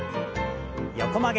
横曲げ。